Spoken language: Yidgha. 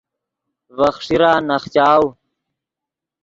ڤے خیݰیرا نخچاؤ